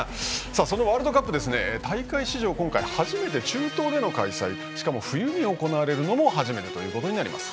そのワールドカップ大会史上、今回初めて中東での開催、しかも冬に行われるのも初めてということになります。